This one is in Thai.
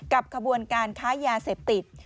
ขบวนการค้ายาเสพติด